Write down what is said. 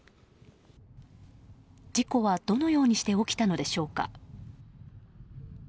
事故はどのようにして起きたのでしょうか。